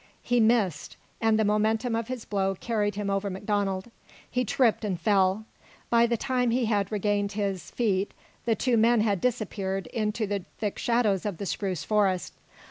He missed, and the momentum of his blow carried him over MacDonald. He tripped and fell. By the time he had regained his, feet the two men had disappeared into the thick shadows of the spruce forest.